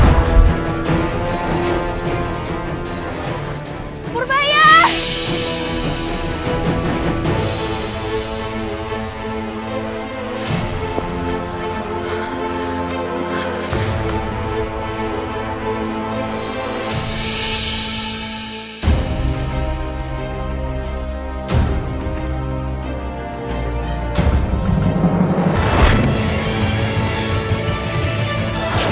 allah unravel akan akibat maknanya kamu menjadi penghiriman pukushil